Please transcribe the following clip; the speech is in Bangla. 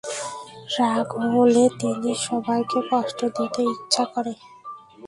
রাগ হলে তিনিীর সবাইকে কষ্ট দিতে ইচ্ছা করে।